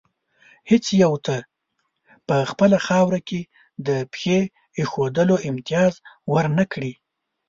هېڅ یو ته په خپله خاوره کې د پښې ایښودلو امتیاز ور نه کړي.